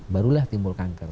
barulah timbul kanker